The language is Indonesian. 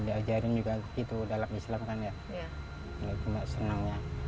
dia ajarin juga gitu dalam islam kan ya ya cuma senangnya